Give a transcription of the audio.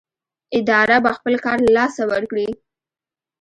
اداره به خپل کار له لاسه ورکړي.